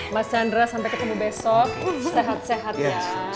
mas chandra sampai ketemu besok sehat sehat ya